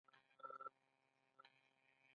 اپین یوه توربخنه نسواري ماده ده.